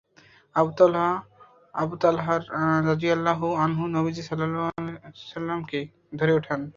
Abu Talha রাযিয়াল্লাহু আনহু নবীজী সাল্লাল্লাহু আলাইহি ওয়াসাল্লাম-কে ধরে উঠান।